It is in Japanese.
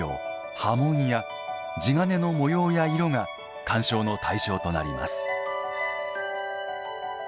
・刃文や地鉄の模様や色が鑑賞の対象となります。